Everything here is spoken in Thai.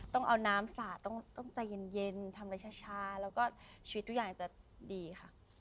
ต้องเอาน้ำสาดต้องใจเย็นทำอะไรช้าแล้วก็ชีวิตทุกอย่างจะดีค่ะ